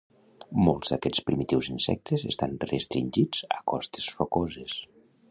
Molts d'aquests primitius insectes estan restringits a costes rocoses.